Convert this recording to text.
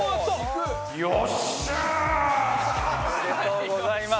おめでとうございます。